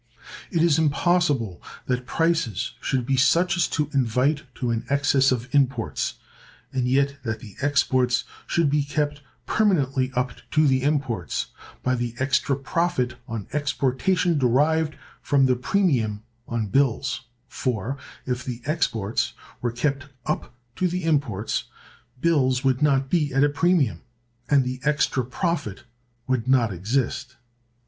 It is impossible that prices should be such as to invite to an excess of imports, and yet that the exports should be kept permanently up to the imports by the extra profit on exportation derived from the premium on bills; for, if the exports were kept up to the imports, bills would not be at a premium, and the extra profit would not exist.